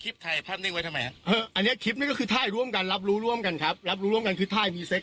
แล้วที่เขาบอกว่าเราเนี่ย